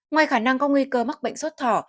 ngoài khả năng có nguy cơ mắc bệnh sốt thỏ